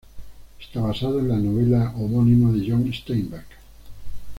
Está basada en la novela homónima de John Steinbeck.